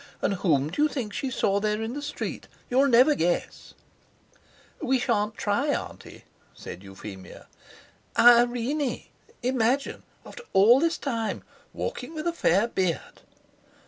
And whom d'you think she saw there in the street? You'll never guess." "We shan't try, Auntie," said Euphemia. "Irene! Imagine! After all this time; walking with a fair beard...."